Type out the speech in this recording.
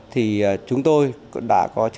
thì chúng tôi đã có chính thức thông báo là chúng tôi